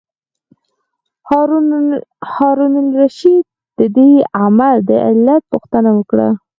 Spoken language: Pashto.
هارون الرشید د دې عمل د علت پوښتنه وکړه.